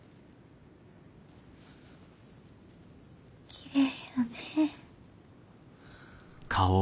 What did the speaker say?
きれいやね。